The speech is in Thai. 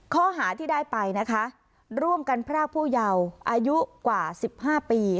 ข้อหาที่ได้ไปนะคะร่วมกันพรากผู้เยาว์อายุกว่า๑๕ปี